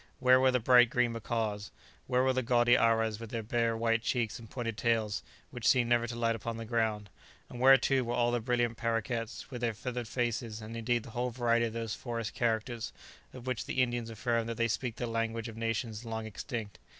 Where were the bright green macaws? where were the gaudy aras with their bare white cheeks and pointed tails, which seem never to light upon the ground? and where, too, were all the brilliant parroquets, with their feathered faces, and indeed the whole variety of those forest chatterers of which the Indians affirm that they speak the language of nations long extinct?